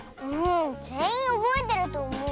ぜんいんおぼえてるとおもう。